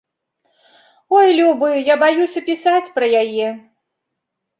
Ой, любы, я баюся пісаць пра яе.